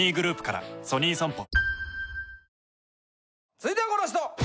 続いてはこの人！